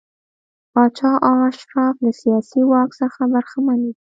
پاچا او اشراف له سیاسي واک څخه برخمن وي.